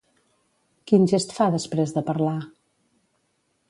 Quin gest fa després de parlar?